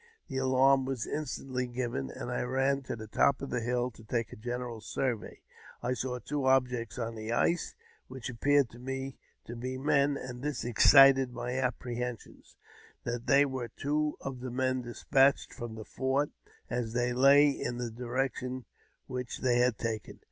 The alarm was instantly given, and I ran to the top of the hill to take a general survey. I saw two objects on the ice, which appeared to me to be men ; and this excited my apprehensions that they were two of the men despatched from the fort, as they lay in the direction which they had taken.